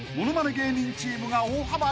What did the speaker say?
芸人チームが大幅リード］